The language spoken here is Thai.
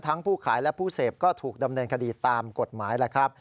ผู้ขายและผู้เสพก็ถูกดำเนินคดีตามกฎหมายแหละครับ